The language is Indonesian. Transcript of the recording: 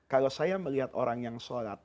kalau saya melihat orang yang sholat